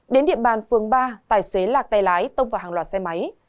đến địa bàn phường ba tài xế lạc tay lái tông vào hàng loạt xe máy